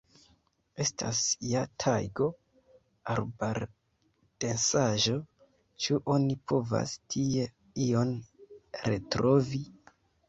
Estas ja tajgo, arbardensaĵo, ĉu oni povas tie ion retrovi?